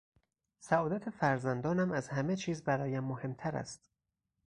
سعادت فرزندانم از همه چیز برایم مهمتر است.